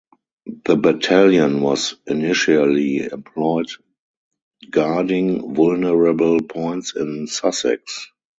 The battalion was initially employed guarding vulnerable points in Sussex.